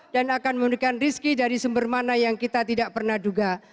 dan akan memberikan riski dari sumber mana yang kita tidak pernah duga